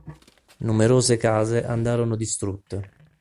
Numerose case andarono distrutte.